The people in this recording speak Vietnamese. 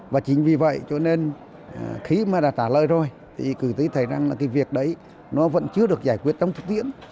và chính vì vậy cho nên khi mà đã trả lời rồi thì cử tôi thấy rằng là cái việc đấy nó vẫn chưa được giải quyết trong thực tiễn